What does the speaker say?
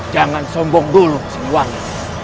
jangan sombong dulu singwangi